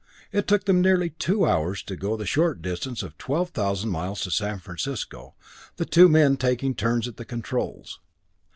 It took them nearly twenty hours to go the short distance of twelve thousand miles to San Francisco, the two men taking turns at the controls.